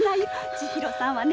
千尋さんはね